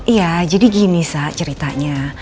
iya jadi gini sah ceritanya